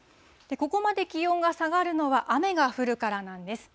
ここまで気温が下がるのは、雨が降るからなんです。